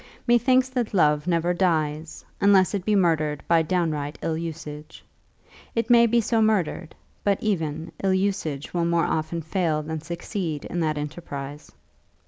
Methinks that love never dies, unless it be murdered by downright ill usage. It may be so murdered, but even ill usage will more often fail than succeed in that enterprise.